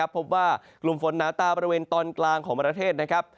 พบว่ากลุ่มฝนหนาตาบริเวณตอนกลางของบริเวณราชเทศ